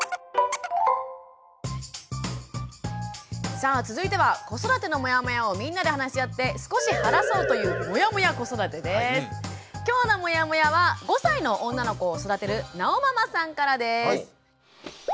さあ続いては子育てのモヤモヤをみんなで話し合って少し晴らそうという今日のモヤモヤは５歳の女の子を育てるなおママさんからです。